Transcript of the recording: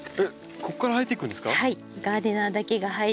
ここから入っていくんですか？